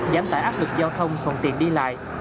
giảm tải áp lực giao thông phần tiện đi lại